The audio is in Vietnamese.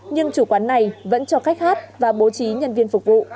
nhưng chủ quán này vẫn cho khách hát và bố trí nhân viên phục vụ